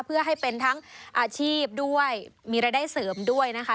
เพื่อให้เป็นทั้งอาชีพด้วยมีรายได้เสริมด้วยนะคะ